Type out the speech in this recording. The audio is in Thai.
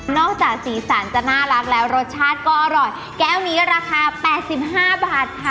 จากสีสันจะน่ารักแล้วรสชาติก็อร่อยแก้วนี้ราคา๘๕บาทค่ะ